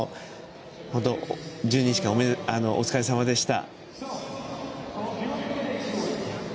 １２日間、お疲れさまでした。